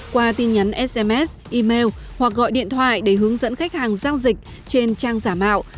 qua tin nhắn sms email hoặc gọi điện thoại để hướng dẫn khách hàng giao dịch trên trang giả mạo